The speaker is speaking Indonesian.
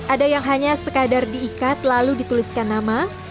ada yang hanya sekadar diikat lalu dituliskan nama